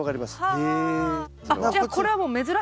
へえ。